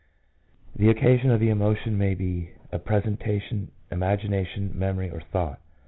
2 The occasion of the emotion may be a presentation, imagination, memory, or thought.